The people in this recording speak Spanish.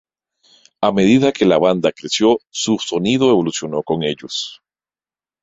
A medida que la banda creció, su sonido evolucionó con ellos.